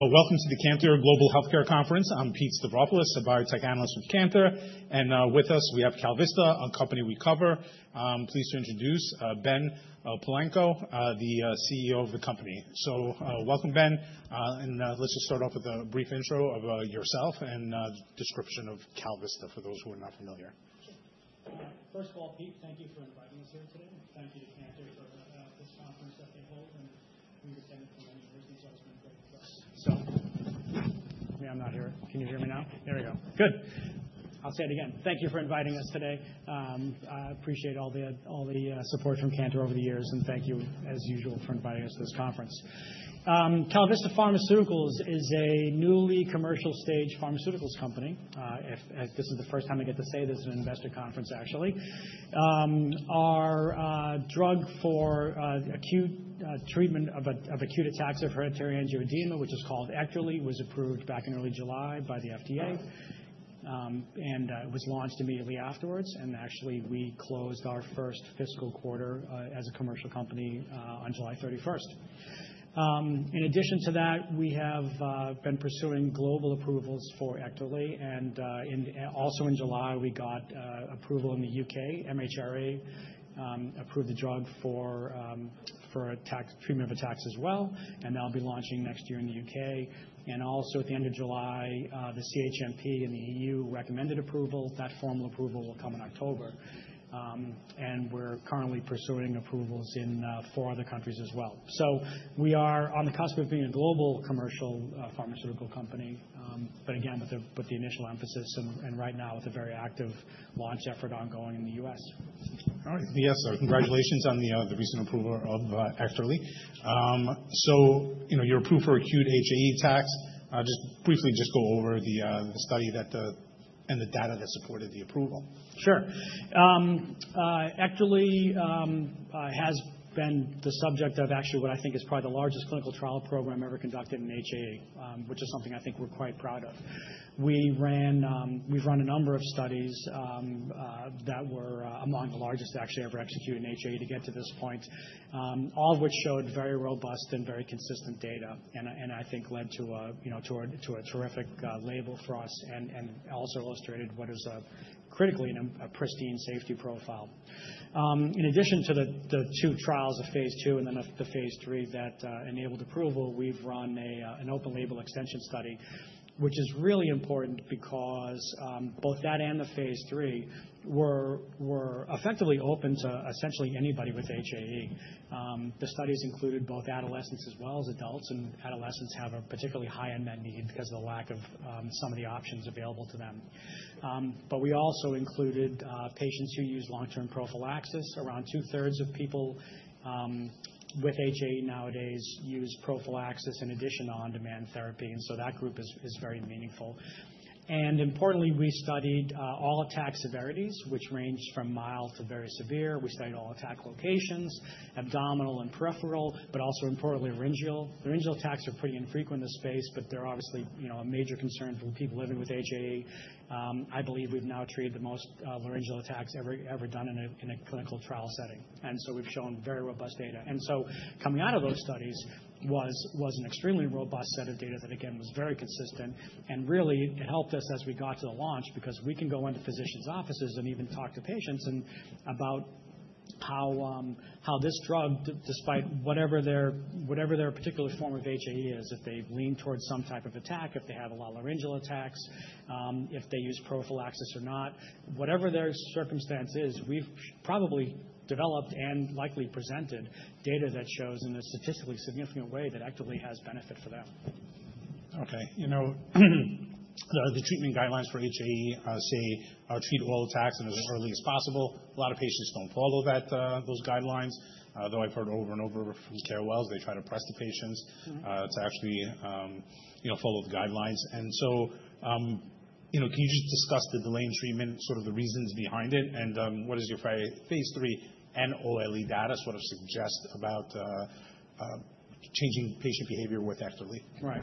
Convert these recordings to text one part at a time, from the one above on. Welcome to the Cantor Global Healthcare Conference. I'm Pete Stavropoulos, a biotech analyst from Cantor. And with us, we have KalVista, a company we cover. I'm pleased to introduce Ben Palleiko, the CEO of the company. So welcome, Ben. And let's just start off with a brief intro of yourself and a description of KalVista for those who are not familiar. First of all, Pete, thank you for inviting us here today. Thank you to Cantor for this conference that they hold. And we've attended for many years. These are all great jobs. [inaudible] Can you hear me now? Here we go. Good. Thank you for inviting us today. I appreciate all the support from Cantor over the years, and thank you, as usual, for inviting us to this conference. KalVista Pharmaceuticals is a newly commercial-stage pharmaceuticals company. This is the first time I get to say this at an investor conference, actually. Our drug for acute treatment of acute attacks of hereditary angioedema, which is called EKTERLY, was approved back in early July by the FDA, and it was launched immediately afterwards, and actually, we closed our first fiscal quarter as a commercial company on July 31. In addition to that, we have been pursuing global approvals for EKTERLY, and also in July, we got approval in the U.K. MHRA approved the drug for treatment of attacks as well. And that'll be launching next year in the U.K. And also at the end of July, the CHMP and the EU recommended approval. That formal approval will come in October. And we're currently pursuing approvals in four other countries as well. So we are on the cusp of being a global commercial pharmaceutical company, but again, with the initial emphasis. And right now, with a very active launch effort ongoing in the U.S. Ben, so congratulations on the recent approval of EKTERLY. You're approved for acute HAE attacks. Just briefly, just go over the study and the data that supported the approval. Sure. EKTERLY has been the subject of actually what I think is probably the largest clinical trial program ever conducted in HAE, which is something I think we're quite proud of. We've run a number of studies that were among the largest actually ever executed in HAE to get to this point, all of which showed very robust and very consistent data. And I think led to a terrific label for us and also illustrated what is critically a pristine safety profile. In addition to the two trials of phase II and then the phase III that enabled approval, we've run an open-label extension study, which is really important because both that and the phase 3 were effectively open to essentially anybody with HAE. The studies included both adolescents as well as adults. And adolescents have a particularly high unmet need because of the lack of some of the options available to them, but we also included patients who use long-term prophylaxis. Around two-thirds of people with HAE nowadays use prophylaxis in addition to on-demand therapy, and so that group is very meaningful, and importantly, we studied all attack severities, which range from mild to very severe. We studied all attack locations, abdominal and peripheral, but also importantly, laryngeal. Laryngeal attacks are pretty infrequent in this space, but they're obviously a major concern for people living with HAE. I believe we've now treated the most laryngeal attacks ever done in a clinical trial setting, and so we've shown very robust data, and so coming out of those studies was an extremely robust set of data that, again, was very consistent. Really, it helped us as we got to the launch because we can go into physicians' offices and even talk to patients about how this drug, despite whatever their particular form of HAE is, if they lean towards some type of attack, if they have a lot of laryngeal attacks, if they use prophylaxis or not, whatever their circumstance is, we've probably developed and likely presented data that shows in a statistically significant way that EKTERLY has benefit for them. Okay. You know, the treatment guidelines for HAE say treat all attacks as early as possible. A lot of patients don't follow those guidelines, though I've heard over and over from KOLs, they try to press the patients to actually follow the guidelines. And so can you just discuss the delay in treatment, sort of the reasons behind it? And what does your phase III OLE data sort of suggest about changing patient behavior with EKTERLY? Right.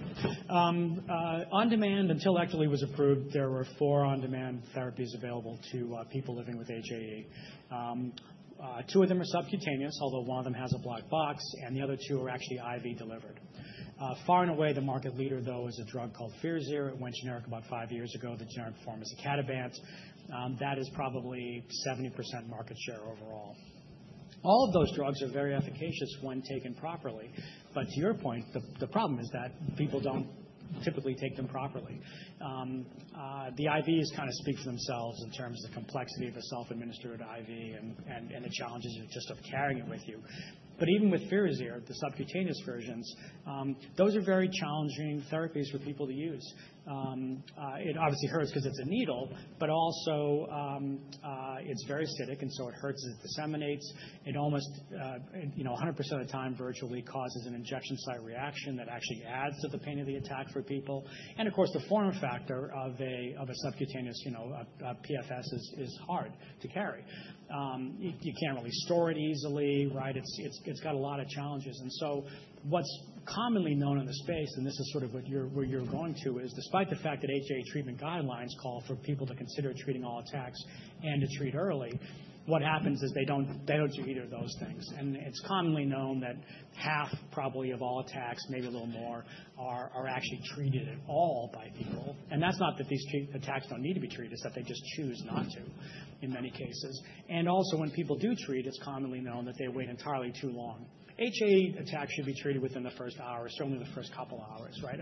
On demand, until EKTERLY was approved, there were four on-demand therapies available to people living with HAE. Two of them are subcutaneous, although one of them has a black box, and the other two are actually IV delivered. Far and away, the market leader, though, is a drug called Firazyr. It went generic about five years ago. The generic form is icatibant. That is probably 70% market share overall. All of those drugs are very efficacious when taken properly, but to your point, the problem is that people don't typically take them properly. The IVs kind of speak for themselves in terms of the complexity of a self-administered IV and the challenges of just carrying it with you, but even with Firazyr, the subcutaneous versions, those are very challenging therapies for people to use. It obviously hurts because it's a needle, but also it's very acidic, and so it hurts as it disseminates. It almost 100% of the time virtually causes an injection site reaction that actually adds to the pain of the attack for people. And of course, the form factor of a subcutaneous PFS is hard to carry. You can't really store it easily, right? It's got a lot of challenges. And so what's commonly known in the space, and this is sort of where you're going to, is despite the fact that HAE treatment guidelines call for people to consider treating all attacks and to treat early, what happens is they don't do either of those things. And it's commonly known that half probably of all attacks, maybe a little more, are actually treated at all by people. That's not that these attacks don't need to be treated. It's that they just choose not to in many cases. Also when people do treat, it's commonly known that they wait entirely too long. HAE attacks should be treated within the first hour, certainly the first couple of hours, right?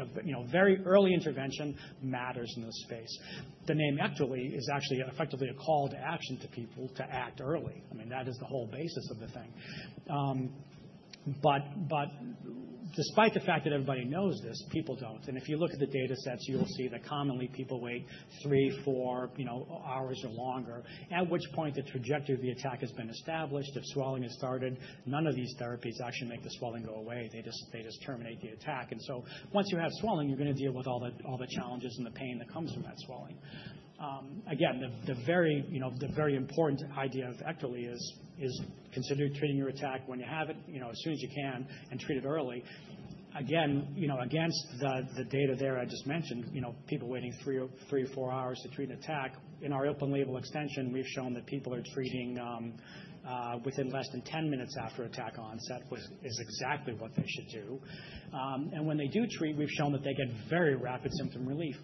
Very early intervention matters in this space. The name EKTERLY is actually effectively a call to action to people to act early. I mean, that is the whole basis of the thing. But despite the fact that everybody knows this, people don't. If you look at the data sets, you'll see that commonly people wait three, four hours or longer, at which point the trajectory of the attack has been established. If swelling has started, none of these therapies actually make the swelling go away. They just terminate the attack. Once you have swelling, you're going to deal with all the challenges and the pain that comes from that swelling. Again, the very important idea of EKTERLY is consider treating your attack when you have it as soon as you can and treat it early. Again, against the data there I just mentioned, people waiting three or four hours to treat an attack, in our open label extension, we've shown that people are treating within less than 10 minutes after attack onset is exactly what they should do. When they do treat, we've shown that they get very rapid symptom relief.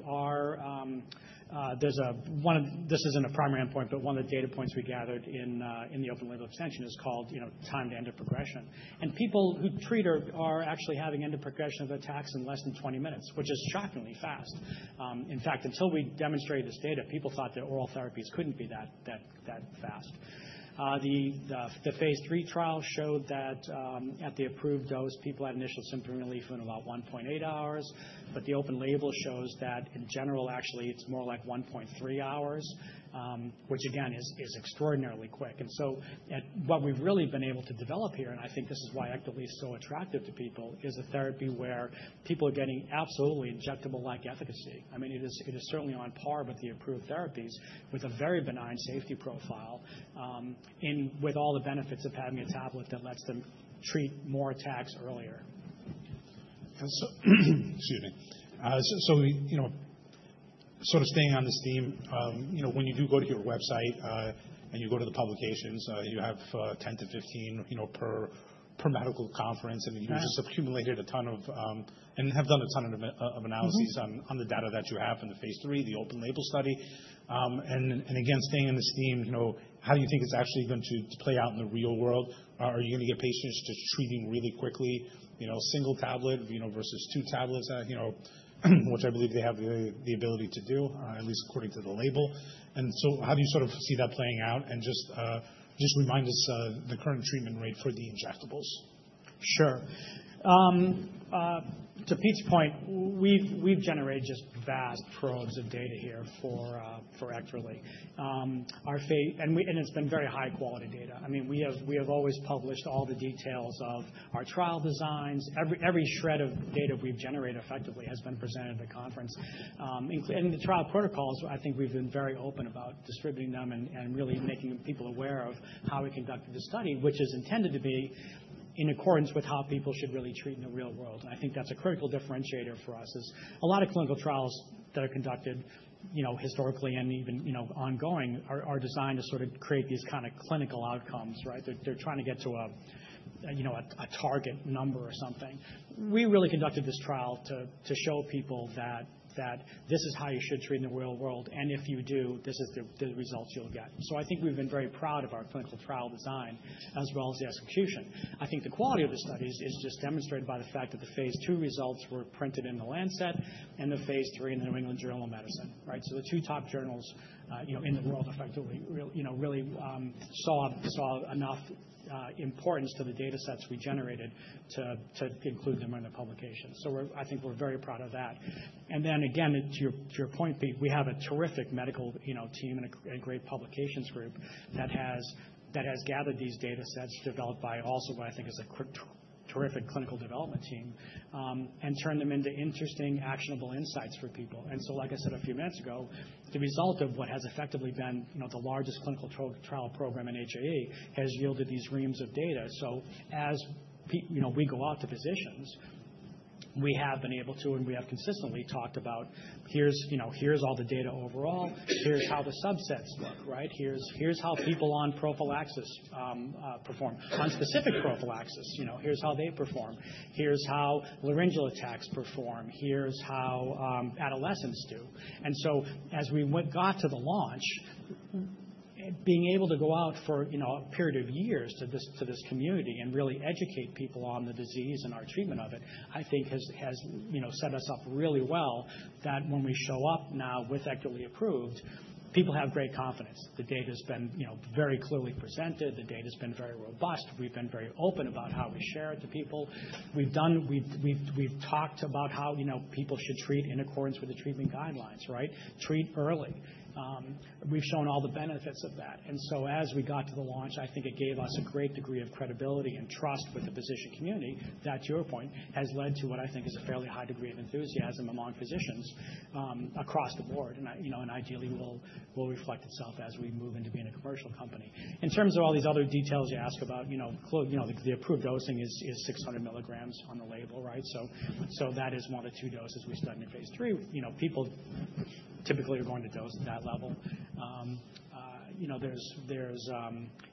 This isn't a primary endpoint, but one of the data points we gathered in the open label extension is called time to end of progression. People who treat are actually having end of progression of attacks in less than 20 minutes, which is shockingly fast. In fact, until we demonstrated this data, people thought that oral therapies couldn't be that fast. The phase 3 trial showed that at the approved dose, people had initial symptom relief in about 1.8 hours, but the open-label shows that in general, actually, it's more like 1.3 hours, which again is extraordinarily quick, and so what we've really been able to develop here, and I think this is why EKTERLY is so attractive to people, is a therapy where people are getting absolutely injectable-like efficacy. I mean, it is certainly on par with the approved therapies with a very benign safety profile with all the benefits of having a tablet that lets them treat more attacks earlier. Excuse me. So sort of staying on this theme, when you do go to your website and you go to the publications, you have 10-15 per medical conference. And you've just accumulated a ton of and have done a ton of analyses on the data that you have from the phase III, the open-label study. And again, staying in this theme, how do you think it's actually going to play out in the real world? Are you going to get patients just treating really quickly, single tablet versus two tablets, which I believe they have the ability to do, at least according to the label? And so how do you sort of see that playing out? And just remind us the current treatment rate for the injectables. Sure. To Pete's point, we've generated just vast troves of data here for EKTERLY. And it's been very high-quality data. I mean, we have always published all the details of our trial designs. Every shred of data we've generated effectively has been presented at the conference. And the trial protocols, I think we've been very open about distributing them and really making people aware of how we conducted the study, which is intended to be in accordance with how people should really treat in the real world. And I think that's a critical differentiator for us, is a lot of clinical trials that are conducted historically and even ongoing are designed to sort of create these kind of clinical outcomes, right? They're trying to get to a target number or something. We really conducted this trial to show people that this is how you should treat in the real world. And if you do, this is the results you'll get. So I think we've been very proud of our clinical trial design as well as the execution. I think the quality of the studies is just demonstrated by the fact that the phase two results were printed in The Lancet and the phase III in The New England Journal of Medicine, right? So the two top journals in the world effectively really saw enough importance to the data sets we generated to include them in the publication. So I think we're very proud of that. And then again, to your point, Pete, we have a terrific medical team and a great publications group that has gathered these data sets developed by also what I think is a terrific clinical development team and turned them into interesting, actionable insights for people. And so like I said a few minutes ago, the result of what has effectively been the largest clinical trial program in HAE has yielded these reams of data. So as we go out to physicians, we have been able to, and we have consistently talked about, here's all the data overall. Here's how the subsets look, right? Here's how people on prophylaxis perform, on specific prophylaxis. Here's how they perform. Here's how laryngeal attacks perform. Here's how adolescents do. And so as we got to the launch, being able to go out for a period of years to this community and really educate people on the disease and our treatment of it, I think has set us up really well that when we show up now with EKTERLY approved, people have great confidence. The data has been very clearly presented. The data has been very robust. We've been very open about how we share it to people. We've talked about how people should treat in accordance with the treatment guidelines, right? Treat early. We've shown all the benefits of that, and so as we got to the launch, I think it gave us a great degree of credibility and trust with the physician community that, to your point, has led to what I think is a fairly high degree of enthusiasm among physicians across the board, and ideally, it will reflect itself as we move into being a commercial company. In terms of all these other details you ask about, the approved dosing is 600 milligrams on the label, right? So that is one of the two doses we studied in phase three. People typically are going to dose at that level.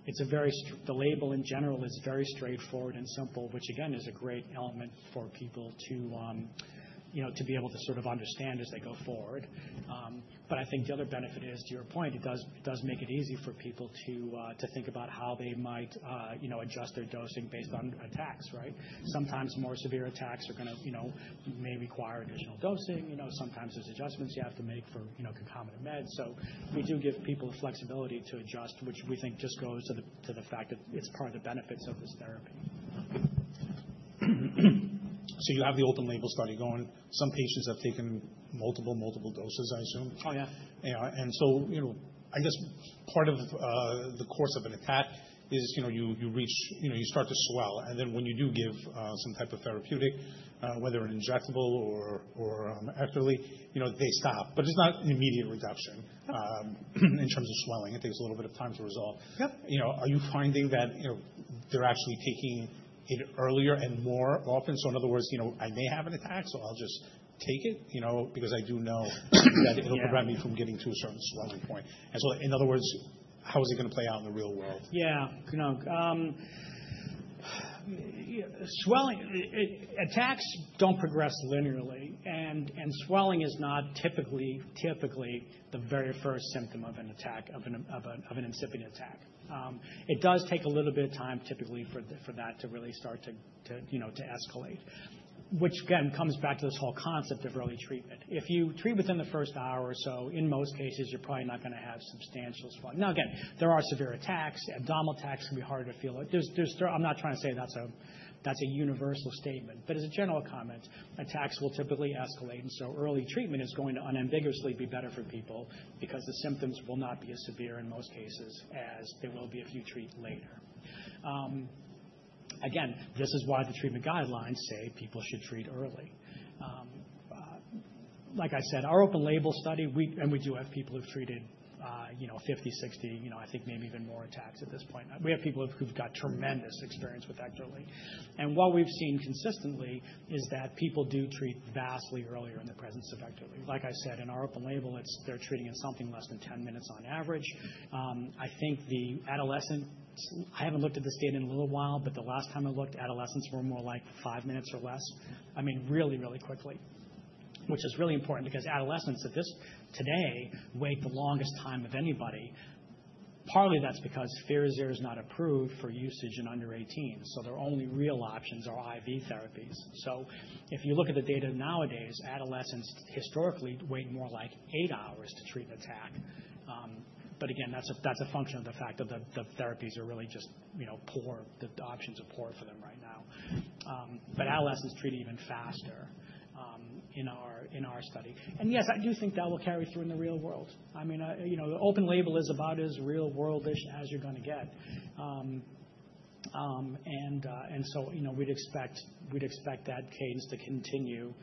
It's a very, the label in general is very straightforward and simple, which again is a great element for people to be able to sort of understand as they go forward, but I think the other benefit is, to your point, it does make it easy for people to think about how they might adjust their dosing based on attacks, right? Sometimes more severe attacks may require additional dosing. Sometimes there's adjustments you have to make for concomitant meds, so we do give people the flexibility to adjust, which we think just goes to the fact that it's part of the benefits of this therapy. So you have the open label study going. Some patients have taken multiple doses, I assume. Oh, yeah. And so I guess part of the course of an attack is you start to swell. And then when you do give some type of therapeutic, whether an injectable or EKTERLY, they stop. But it's not an immediate reduction in terms of swelling. It takes a little bit of time to resolve. Are you finding that they're actually taking it earlier and more often? So in other words, I may have an attack, so I'll just take it because I do know that it'll prevent me from getting to a certain swelling point. And so in other words, how is it going to play out in the real world? Yeah. Swelling, attacks don't progress linearly. And swelling is not typically the very first symptom of an incipient attack. It does take a little bit of time typically for that to really start to escalate, which again comes back to this whole concept of early treatment. If you treat within the first hour or so, in most cases, you're probably not going to have substantial swelling. Now, again, there are severe attacks. Abdominal attacks can be harder to feel. I'm not trying to say that's a universal statement. But as a general comment, attacks will typically escalate. And so early treatment is going to unambiguously be better for people because the symptoms will not be as severe in most cases as they will be if you treat later. Again, this is why the treatment guidelines say people should treat early. Like I said, our open label study, and we do have people who've treated 50, 60, I think maybe even more attacks at this point. We have people who've got tremendous experience with EKTERLY. And what we've seen consistently is that people do treat vastly earlier in the presence of EKTERLY. Like I said, in our open label, they're treating in something less than 10 minutes on average. I think the adolescents, I haven't looked at this data in a little while, but the last time I looked, adolescents were more like five minutes or less. I mean, really, really quickly, which is really important because adolescents today wait the longest time of anybody. Partly that's because Firazyr is not approved for usage in under 18. So their only real options are IV therapies. If you look at the data nowadays, adolescents historically wait more like eight hours to treat an attack. But again, that's a function of the fact that the therapies are really just poor. The options are poor for them right now. But adolescents treat even faster in our study. And yes, I do think that will carry through in the real world. I mean, the open label is about as real-world-ish as you're going to get. And so we'd expect that cadence to continue.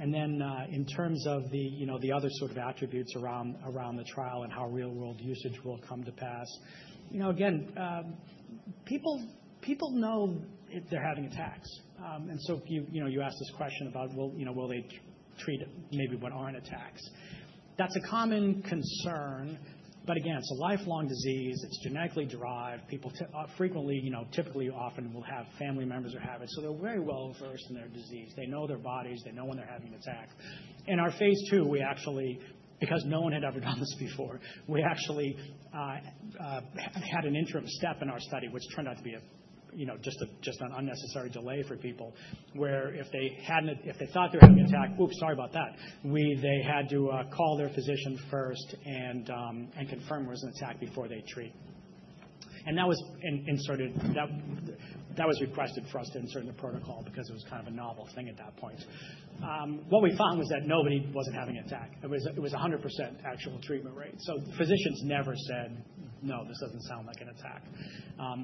And then in terms of the other sort of attributes around the trial and how real-world usage will come to pass, again, people know they're having attacks. And so you asked this question about, well, will they treat maybe what aren't attacks? That's a common concern. But again, it's a lifelong disease. It's genetically derived. People frequently, typically, often will have family members that have it. So they're very well-versed in their disease. They know their bodies. They know when they're having an attack. In our phase II, we actually, because no one had ever done this before, we actually had an interim step in our study, which turned out to be just an unnecessary delay for people, where if they thought they were having an attack, oops, sorry about that, they had to call their physician first and confirm there was an attack before they treat, and that was requested for us to insert in the protocol because it was kind of a novel thing at that point. What we found was that nobody wasn't having an attack. It was 100% actual treatment rate. So physicians never said, "No, this doesn't sound like an attack."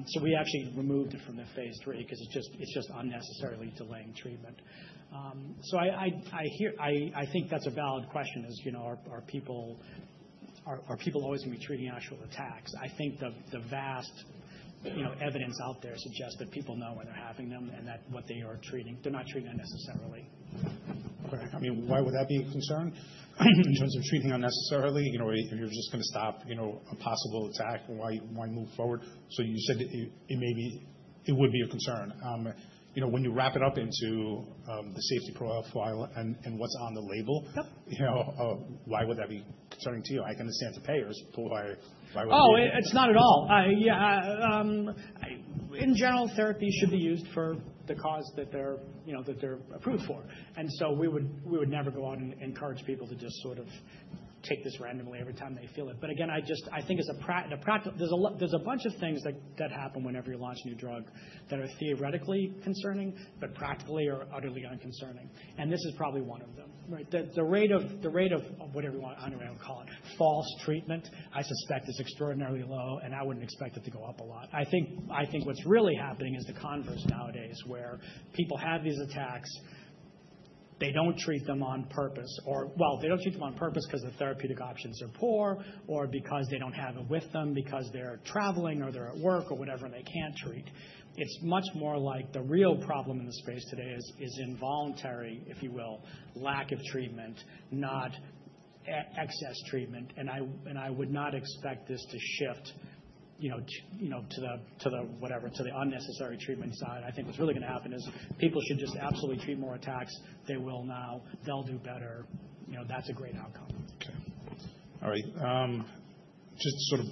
So we actually removed it from the phase III because it's just unnecessarily delaying treatment. So I think that's a valid question: are people always going to be treating actual attacks? I think the vast evidence out there suggests that people know when they're having them and that what they are treating, they're not treating unnecessarily. I mean, why would that be a concern in terms of treating unnecessarily? If you're just going to stop a possible attack, why move forward? So you said it would be a concern. When you wrap it up into the safety profile and what's on the label, why would that be concerning to you? I can understand the payers. Why wouldn't you? Oh, it's not at all. In general, therapies should be used for the cause that they're approved for, and so we would never go out and encourage people to just sort of take this randomly every time they feel it. But again, I think there's a bunch of things that happen whenever you launch a new drug that are theoretically concerning, but practically are utterly unconcerning, and this is probably one of them, right? The rate of whatever you want to call it, false treatment, I suspect is extraordinarily low, and I wouldn't expect it to go up a lot. I think what's really happening is the converse nowadays, where people have these attacks. They don't treat them on purpose. They don't treat them on purpose because the therapeutic options are poor or because they don't have it with them because they're traveling or they're at work or whatever and they can't treat. It's much more like the real problem in the space today is involuntary, if you will, lack of treatment, not excess treatment. I would not expect this to shift to the whatever, to the unnecessary treatment side. I think what's really going to happen is people should just absolutely treat more attacks. They will now. They'll do better. That's a great outcome. Okay. All right. Just sort of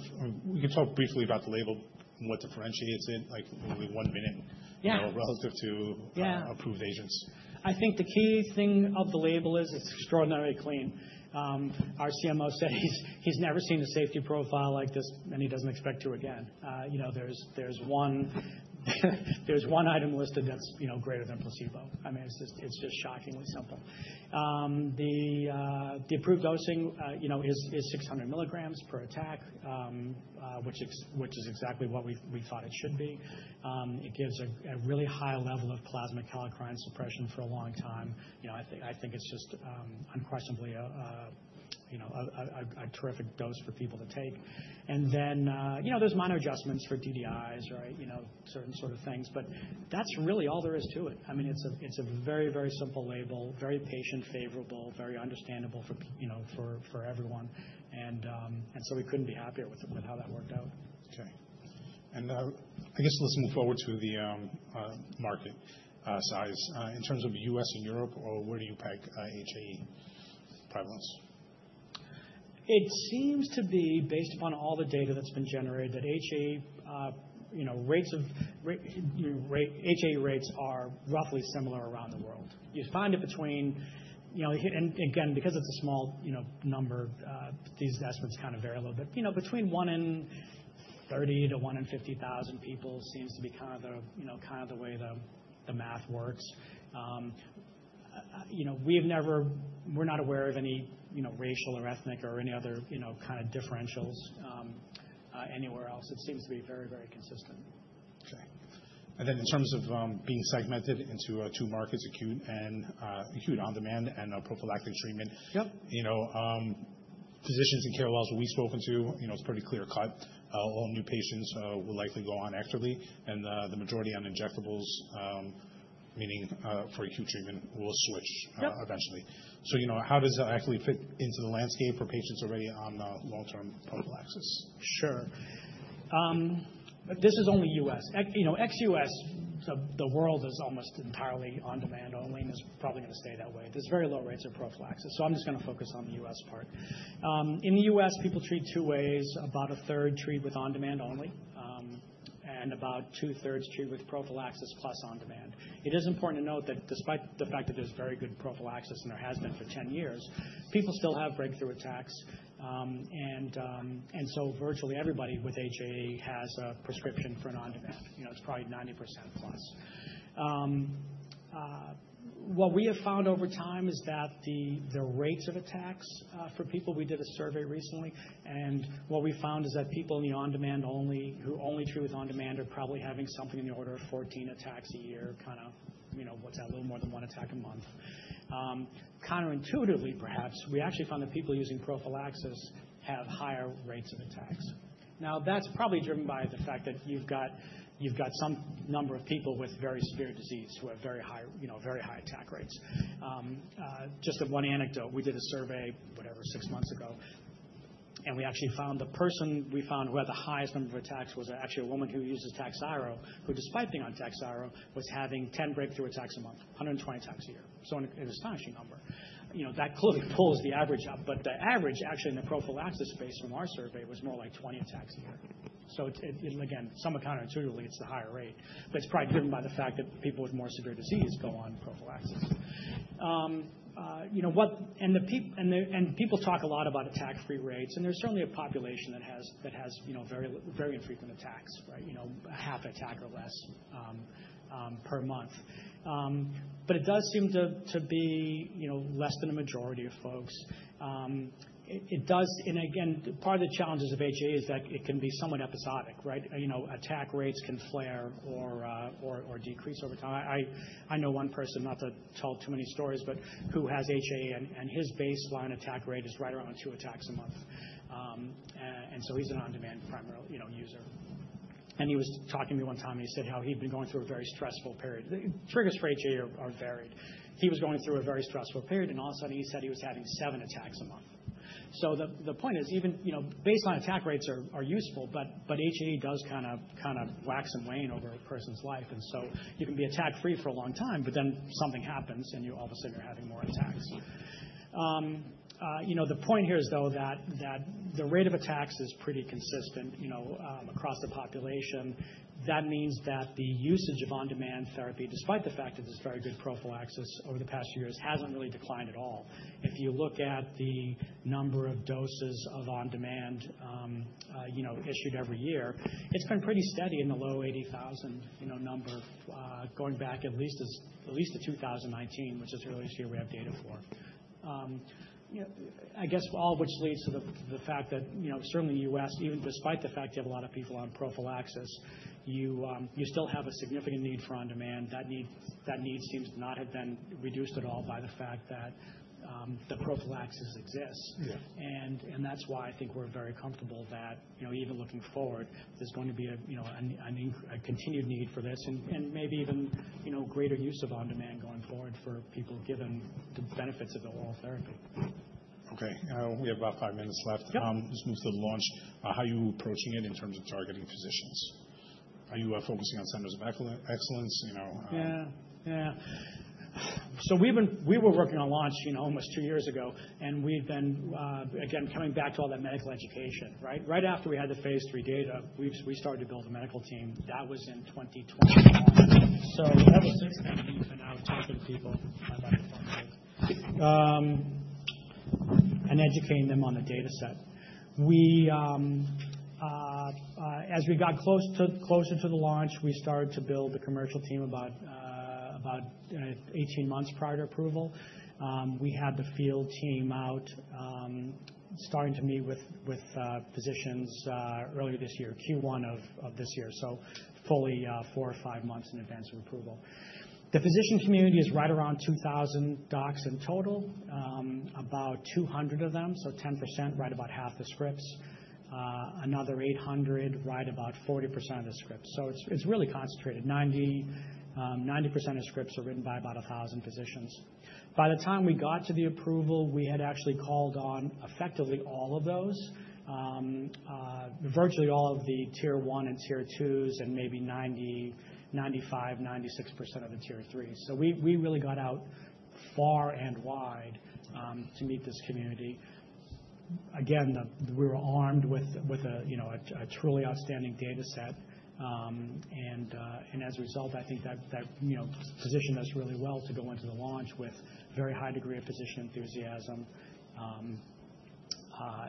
we can talk briefly about the label and what differentiates it, like maybe one minute relative to approved agents. Yeah. I think the key thing of the label is it's extraordinarily clean. Our CMO said he's never seen a safety profile like this, and he doesn't expect to again. There's one item listed that's greater than placebo. I mean, it's just shockingly simple. The approved dosing is 600 milligrams per attack, which is exactly what we thought it should be. It gives a really high level of plasma kallikrein suppression for a long time. I think it's just unquestionably a terrific dose for people to take. And then there's minor adjustments for DDIs, right? Certain sort of things. But that's really all there is to it. I mean, it's a very, very simple label, very patient-favorable, very understandable for everyone. And so we couldn't be happier with how that worked out. Okay. And I guess let's move forward to the market size. In terms of the U.S. and Europe, where do you peg HAE prevalence? It seems to be, based upon all the data that's been generated, that HAE rates are roughly similar around the world. You find it between, and again, because it's a small number, these estimates kind of vary a little bit, but between one in 30 to one in 50,000 people seems to be kind of the way the math works. We're not aware of any racial or ethnic or any other kind of differentials anywhere else. It seems to be very, very consistent. Okay. And then in terms of being segmented into two markets, acute on-demand and prophylactic treatment, physicians and KOLs that we've spoken to, it's pretty clear-cut. All new patients will likely go on EKTERLY, and the majority on injectables, meaning for acute treatment, will switch eventually. So how does that actually fit into the landscape for patients already on long-term prophylaxis? Sure. This is only U.S. Ex-U.S., the world is almost entirely on-demand only, and it's probably going to stay that way. There's very low rates of prophylaxis. So I'm just going to focus on the U.S. part. In the U.S., people treat two ways. About a third treat with on-demand only, and about two-thirds treat with prophylaxis plus on-demand. It is important to note that despite the fact that there's very good prophylaxis, and there has been for 10 years, people still have breakthrough attacks. And so virtually everybody with HAE has a prescription for an on-demand. It's probably 90%+. What we have found over time is that the rates of attacks for people—we did a survey recently—and what we found is that people who only treat with on-demand are probably having something in the order of 14 attacks a year, kind of what's that? A little more than one attack a month. Counterintuitively, perhaps, we actually found that people using prophylaxis have higher rates of attacks. Now, that's probably driven by the fact that you've got some number of people with very severe disease who have very high attack rates. Just one anecdote, we did a survey, whatever, six months ago, and we actually found the person we found who had the highest number of attacks was actually a woman who uses Takhzyro, who, despite being on Takhzyro, was having 10 breakthrough attacks a month, 120 attacks a year. So an astonishing number. That clearly pulls the average up. But the average, actually, in the prophylaxis space from our survey, was more like 20 attacks a year. So again, somewhat counterintuitively, it's the higher rate. But it's probably driven by the fact that people with more severe disease go on prophylaxis. People talk a lot about attack-free rates, and there's certainly a population that has very infrequent attacks, right? Half attack or less per month. It does seem to be less than a majority of folks. Again, part of the challenges of HAE is that it can be somewhat episodic, right? Attack rates can flare or decrease over time. I know one person, not to tell too many stories, but who has HAE, and his baseline attack rate is right around two attacks a month. So he's an on-demand primary user. He was talking to me one time, and he said how he'd been going through a very stressful period. Triggers for HAE are varied. He was going through a very stressful period, and all of a sudden, he said he was having seven attacks a month. So the point is, even baseline attack rates are useful, but HAE does kind of wax and wane over a person's life. And so you can be attack-free for a long time, but then something happens, and all of a sudden, you're having more attacks. The point here is, though, that the rate of attacks is pretty consistent across the population. That means that the usage of on-demand therapy, despite the fact that there's very good prophylaxis over the past few years, hasn't really declined at all. If you look at the number of doses of on-demand issued every year, it's been pretty steady in the low 80,000 number, going back at least to 2019, which is the earliest year we have data for. I guess all of which leads to the fact that certainly in the U.S., even despite the fact you have a lot of people on prophylaxis, you still have a significant need for on-demand. That need seems to not have been reduced at all by the fact that the prophylaxis exists, and that's why I think we're very comfortable that even looking forward, there's going to be a continued need for this and maybe even greater use of on-demand going forward for people given the benefits of the oral therapy. Okay. We have about five minutes left. Let's move to the launch. How are you approaching it in terms of targeting physicians? Are you focusing on centers of excellence? Yeah. Yeah. So we were working on launch almost two years ago, and we've been, again, coming back to all that medical education, right? Right after we had the phase III data, we started to build a medical team. That was in 2021. So ever since then, we've been out talking to people by phone and educating them on the dataset. As we got closer to the launch, we started to build the commercial team about 18 months prior to approval. We had the field team out starting to meet with physicians earlier this year, Q1 of this year, so fully four or five months in advance of approval. The physician community is right around 2,000 docs in total, about 200 of them, so 10%, right about half the scripts. Another 800, right about 40% of the scripts. So it's really concentrated. 90% of scripts are written by about 1,000 physicians. By the time we got to the approval, we had actually called on effectively all of those, virtually all of the tier one and tier twos, and maybe 95%-96% of the tier three. So we really got out far and wide to meet this community. Again, we were armed with a truly outstanding dataset. And as a result, I think that positioned us really well to go into the launch with a very high degree of physician enthusiasm,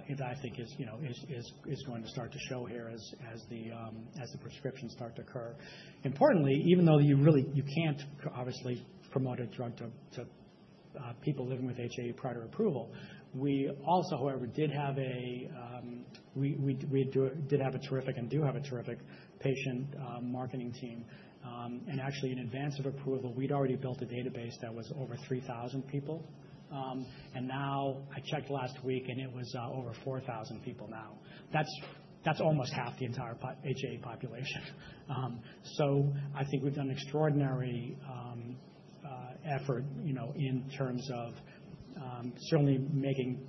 and I think is going to start to show here as the prescriptions start to occur. Importantly, even though you can't obviously promote a drug to people living with HAE prior to approval, we also, however, did have a terrific and do have a terrific patient marketing team. Actually, in advance of approval, we'd already built a database that was over 3,000 people. Now I checked last week, and it was over 4,000 people now. That's almost half the entire HAE population. I think we've done an extraordinary effort in terms of certainly making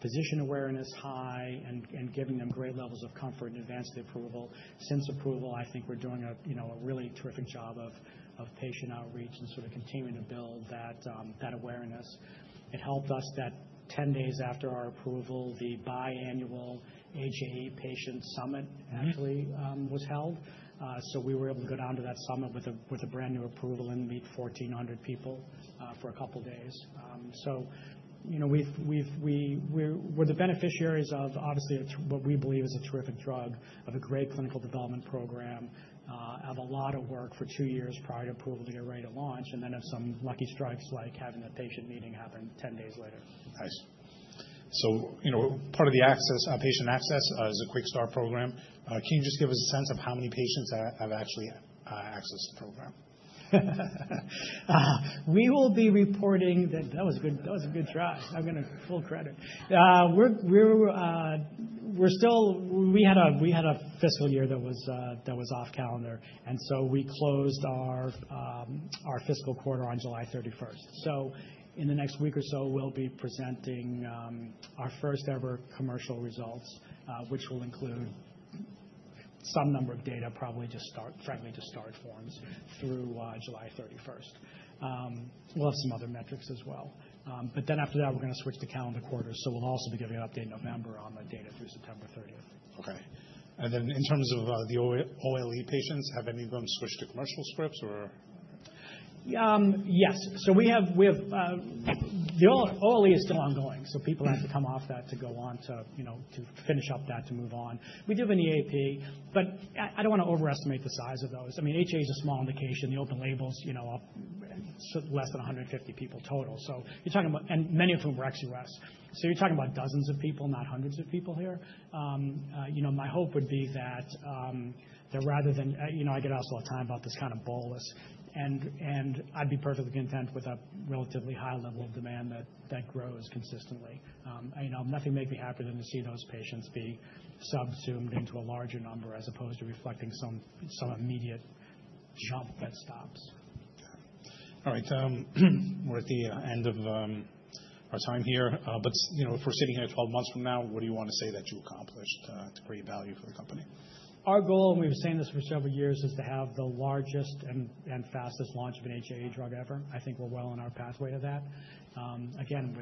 physician awareness high and giving them great levels of comfort in advance of the approval. Since approval, I think we're doing a really terrific job of patient outreach and sort of continuing to build that awareness. It helped us that 10 days after our approval, the bi-annual HAE patient summit actually was held. We were able to go down to that summit with a brand new approval and meet 1,400 people for a couple of days. So we're the beneficiaries of, obviously, what we believe is a terrific drug, of a great clinical development program, of a lot of work for two years prior to approval to get ready to launch, and then of some lucky strikes like having that patient meeting happen 10 days later. Nice. So part of the patient access is a Quick Start program. Can you just give us a sense of how many patients have actually accessed the program? We will be reporting that that was a good year. I'm going to take full credit. We had a fiscal year that was off calendar, and so we closed our fiscal quarter on July 31st, so in the next week or so, we'll be presenting our first-ever commercial results, which will include some number of data, probably just start forms, frankly, through July 31st. We'll have some other metrics as well, but then after that, we're going to switch to calendar quarters, so we'll also be giving an update in November on the data through September 30th. Okay. And then in terms of the OLE patients, have any of them switched to commercial scripts or? Yes. So we have the OLE is still ongoing, so people have to come off that to go on to finish up that to move on. We do have an EAP, but I don't want to overestimate the size of those. I mean, HAE is a small indication. The open label's less than 150 people total. So you're talking about, and many of whom are ex-US. So you're talking about dozens of people, not hundreds of people here. My hope would be that rather than I get asked all the time about this kind of bolus, and I'd be perfectly content with a relatively high level of demand that grows consistently. Nothing makes me happier than to see those patients be subsumed into a larger number as opposed to reflecting some immediate jump that stops. All right. We're at the end of our time here. But if we're sitting here 12 months from now, what do you want to say that you accomplished to create value for the company? Our goal, and we've been saying this for several years, is to have the largest and fastest launch of an HAE drug ever. I think we're well on our pathway to that. Again,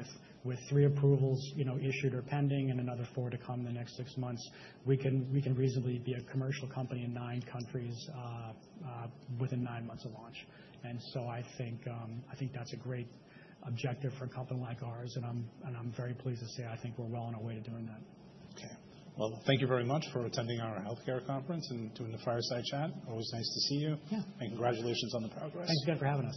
with three approvals issued or pending and another four to come in the next six months, we can reasonably be a commercial company in nine countries within nine months of launch. And so I think that's a great objective for a company like ours, and I'm very pleased to say I think we're well on our way to doing that. Okay. Well, thank you very much for attending our healthcare conference and doing the Fireside Chat. Always nice to see you. Yeah. Congratulations on the progress. Thanks again for having me.